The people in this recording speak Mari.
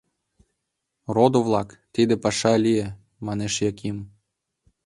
— Родо-влак, тиде паша лие, — манеш Яким.